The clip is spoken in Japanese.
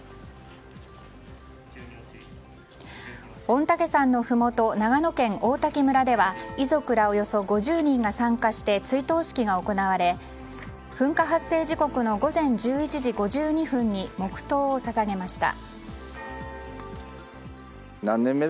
御嶽山のふもと長野県王滝村では遺族らおよそ５０人が参加して追悼式が行われ噴火発生時刻の午前１１時５２分に黙祷を捧げました。